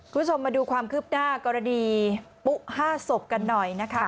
คุณผู้ชมมาดูความคืบหน้ากรณีปุ๊๕ศพกันหน่อยนะคะ